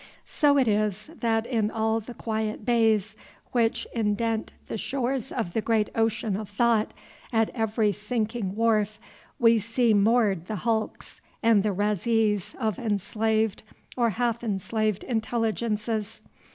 So it is that in all the quiet bays which indent the shores of the great ocean of thought, at every sinking wharf, we see moored the hulks and the razees of enslaved or half enslaved intelligences.